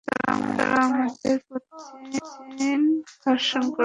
তারা আমাদের প্রতিদিন ধর্ষণ করেছে।